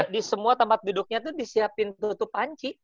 di semua tempat duduknya itu disiapin tutup panci